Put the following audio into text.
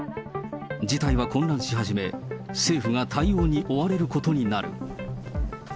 事態は混乱し始め、政府が対応に追われることになる。